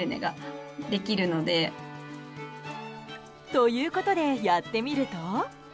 ということでやってみると。